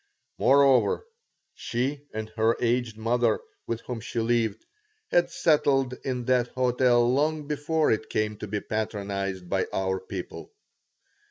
Moreover, she and her aged mother, with whom she lived, had settled in that hotel long before it came to be patronized by our people.